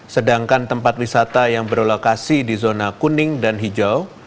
sedangkan tempat wisata yang berlokasi di zona kuning dan hijau